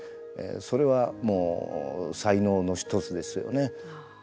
それはもう才能の一つですよね。